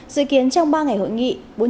dự kiến trong ba ngày hội nghị